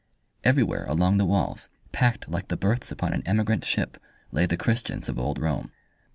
Everywhere along the walls, packed like the berths upon an emigrant ship, lay the Christians of old Rome.